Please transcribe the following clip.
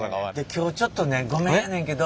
今日ちょっとねごめんやねんけど。